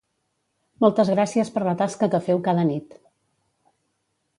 Moltes gràcies per la tasca que feu cada nit!